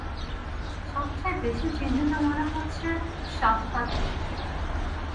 সবচেয়ে বেশি চিন্তিত মনে হচ্ছে সাফকাতকে।